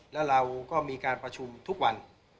แล้วเราก็มีการประชุมทุกวัน